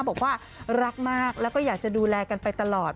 บอกว่ารักมากแล้วก็อยากจะดูแลกันไปตลอด